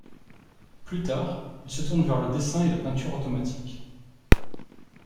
Plus tard, il se tourne vers le dessin et la peinture automatiques.